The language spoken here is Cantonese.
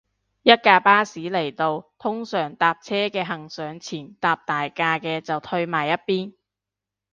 一架巴士嚟到，通常搭車嘅行上前，搭第架嘅就褪埋一邊